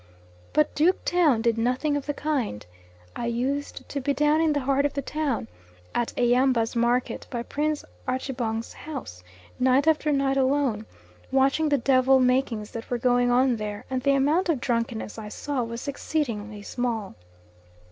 But Duke Town did nothing of the kind. I used to be down in the heart of the town, at Eyambas market by Prince Archebongs's house, night after night alone, watching the devil makings that were going on there, and the amount of drunkenness I saw was exceedingly small.